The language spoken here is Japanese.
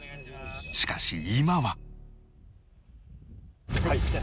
しかし今は